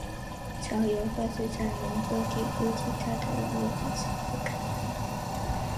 巢由放置在泥或底部鸡蛋的网络的沙覆盖。